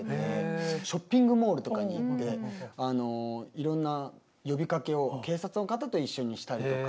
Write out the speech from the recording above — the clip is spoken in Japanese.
ショッピングモールとかに行っていろんな呼びかけを警察の方と一緒にしたりとか。